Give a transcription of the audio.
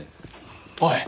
おい！